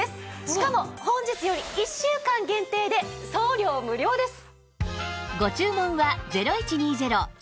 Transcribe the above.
しかも本日より１週間限定で送料無料です。